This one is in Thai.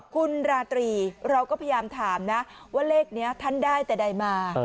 คุณราตรีเราก็พยายามถามนะว่าเลขนี้ท่านได้แต่ใดมา